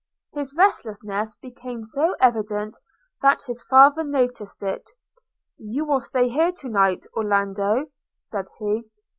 – His restlessness became so evident that his father noticed it – 'You will stay here to night, Orlando?' said he.